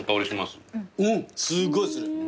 すごいする。